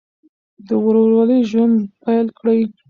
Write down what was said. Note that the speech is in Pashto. د ورورولۍ ژوند پیل کړئ.